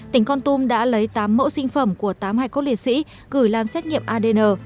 tỉnh con tum đã lấy tám mẫu sinh phẩm của tám hải cốt liệt sĩ gửi làm xét nghiệm adn